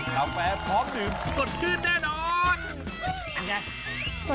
กาแฟพร้อมดื่มสดขึ้นแน่นอน